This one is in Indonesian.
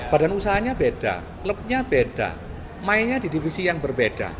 badan usahanya beda klubnya beda mainnya di divisi yang berbeda